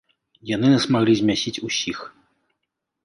Яны нас маглі змясіць усіх.